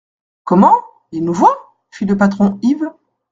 Comment ! ils nous voient ? fit le patron Yves.